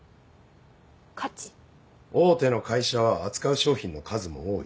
大手の会社は扱う商品の数も多い。